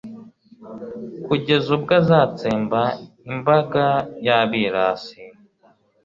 kugeza ubwo azatsemba imbaga y'abirasi